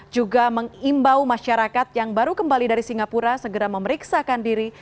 juga mengimbau masyarakat yang baru kembali dari singapura segera memeriksakan diri